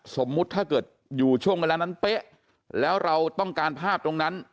สมมุติถ้าเกิดอยู่ช่วงเวลานั้นเป๊ะแล้วเราต้องการภาพตรงนั้น